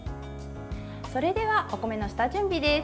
それでは、お米の下準備です。